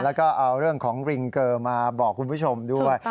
แล้วก็เอาเรื่องของริงเกอร์มาบอกคุณผู้ชมด้วย